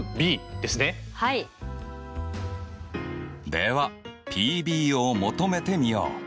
ではＰを求めてみよう！